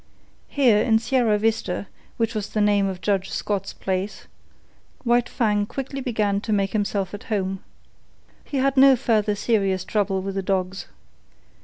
Here, in Sierra Vista, which was the name of Judge Scott's place, White Fang quickly began to make himself at home. He had no further serious trouble with the dogs.